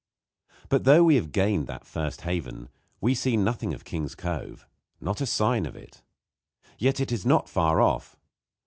But, though we have gained that first haven, we see nothing of King's Cove not a sign of it. Yet it is not far off.